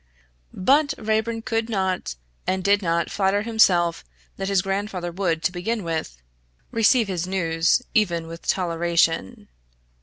But Raeburn could not and did not flatter himself that his grandfather would, to begin with, receive his news even with toleration.